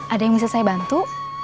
ada yang bisa saya bantu